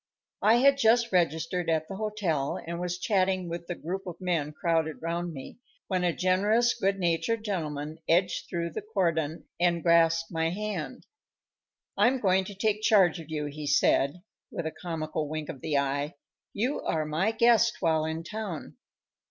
_"] I had just registered at the hotel, and was chatting with the group of men crowded round me, when a generous, good natured gentleman edged through the cordon and grasped my hand. "I'm going to take charge of you," he said, with a comical wink of the eye; "you are my guest while in town."